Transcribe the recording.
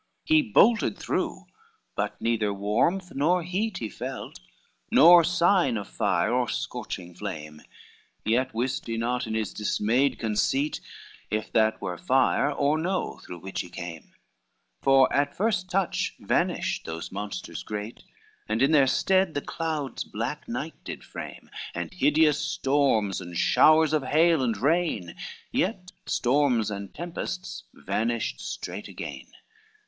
XXXVI He bolted through, but neither warmth nor heat! He felt, nor sign of fire or scorching flame; Yet wist he not in his dismayed conceit, If that were fire or no through which he came; For at first touch vanished those monsters great, And in their stead the clouds black night did frame And hideous storms and showers of hail and rain; Yet storms and tempests vanished straight again.